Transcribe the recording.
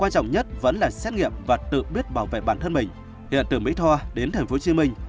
đất vẫn là xét nghiệm và tự biết bảo vệ bản thân mình hiện từ mỹ thoa đến thành phố hồ chí minh